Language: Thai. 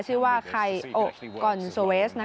ชื่อว่าไคโอกอนโซเวส